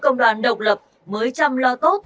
công đoàn độc lập mới chăm lo tốt